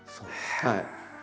はい。